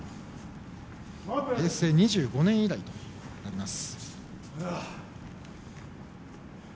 平成２５年以来となります。